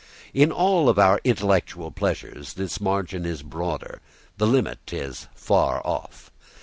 In all our intellectual pleasures the margin is broader, the limit is far off.